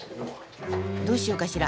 どうしようかしら。